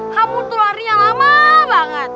kamu tuh larinya lama banget